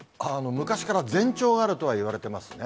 昔から前兆があるとは言われてますね。